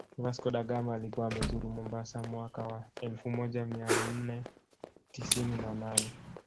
Vasco da Gama alikuwa amezuru Mombasa mwaka wa elfumoja mianne tisini na nane